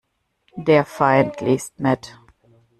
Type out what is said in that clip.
Der Feind liest mit.